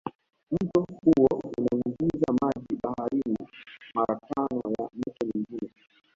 Mto huo unaingiza maji baharini mara tano ya mito mingine